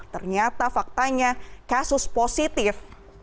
ternyata faktanya kasus positif